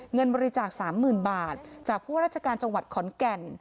เงินบริจาค๓๐๐๐บาทจากผู้ว่าราชการจังหวัดขอนแก่น